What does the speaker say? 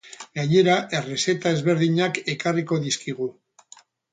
Gainera, errezeta ezberdinak ekarriko dizkigu.